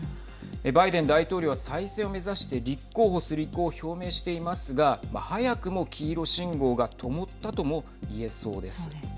バイデン大統領は再選を目指して立候補する意向を表明していますが早くも黄色信号がともったとも言えそうです。